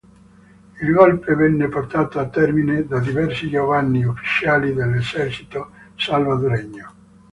Il golpe venne portato a termine da diversi giovani ufficiali dell'Esercito salvadoregno.